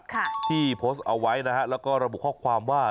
ค่ะที่โพสต์เอาไว้นะฮะแล้วก็ระบุข้อความว่า